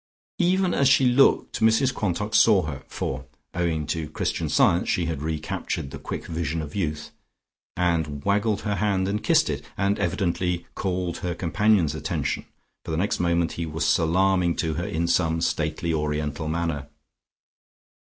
Even as she looked Mrs Quantock saw her (for owing to Christian Science she had recaptured the quick vision of youth) and waggled her hand and kissed it, and evidently called her companion's attention, for the next moment he was salaaming to her in some stately Oriental manner.